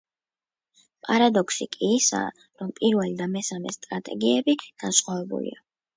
პარადოქსი კი ისაა, რომ პირველი და მესამე სტრატეგიები განსხვავებულია.